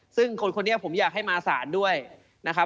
ซึ่งคนคนนี้ผมอยากให้มาสารด้วยนะครับ